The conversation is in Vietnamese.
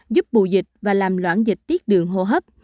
giúp bù dịch và làm loãng dịch tiết đường hô hấp